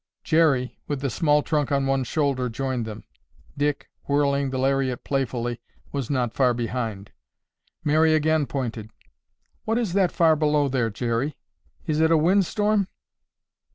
Jerry, with the small trunk on one shoulder joined them; Dick, whirling the lariat playfully, was not far behind. Mary again pointed. "What is that far below there, Jerry? Is it a wind storm?"